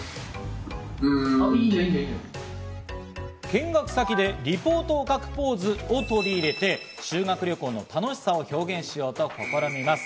見学先でリポートを書くポーズを取り入れて、修学旅行の楽しさを表現しようと試みます。